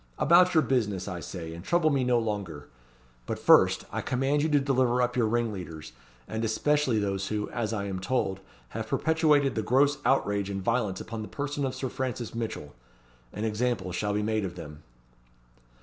About your business, I say, and trouble me no longer! But first, I command you to deliver up your ringleaders, and especially those who, as I am told, have perpetrated the gross outrage and violence upon the person of Sir Francis Mitchell. An example shall be made of them."